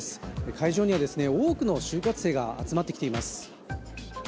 会場には、多くの就活生が集まってきています。